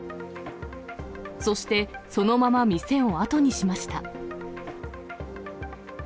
そして、そのまま店を後にしました。